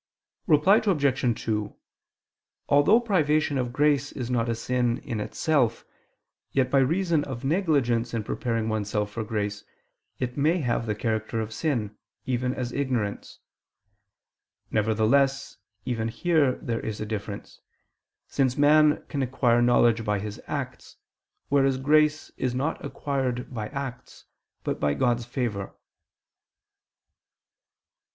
Reply Obj. 2: Although privation of grace is not a sin in itself, yet by reason of negligence in preparing oneself for grace, it may have the character of sin, even as ignorance; nevertheless even here there is a difference, since man can acquire knowledge by his acts, whereas grace is not acquired by acts, but by God's favor.